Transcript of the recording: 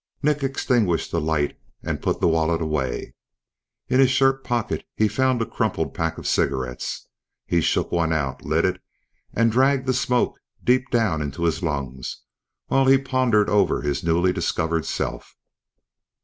Nick extinguished the light and put the wallet away. In his shirt pocket he found a crumpled pack of cigarettes. He shook one out, lit it and dragged the smoke down deep into his lungs while he pondered over his newly discovered self.